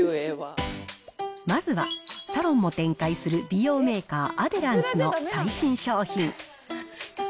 まずは、サロンも展開する美容メーカー、アデランスの最新商品。